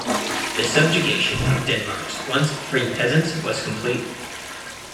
The subjugation of Denmark's once free peasants was complete.